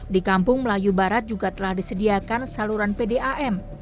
di kampung melayu barat juga telah disediakan saluran pdam